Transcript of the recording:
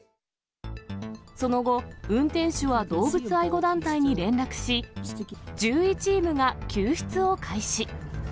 その後、運転手は動物愛護団体に連絡し、獣医チームが救出を開始。